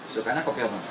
sukanya kopi apa